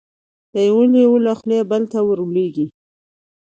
د یوه لېوه له خولې بل ته ور لوېږي